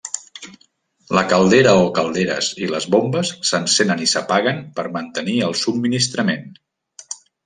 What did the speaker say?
La caldera o calderes i les bombes s'encenen i s'apaguen per mantenir el subministrament.